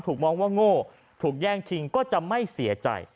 มองว่าโง่ถูกแย่งชิงก็จะไม่เสียใจ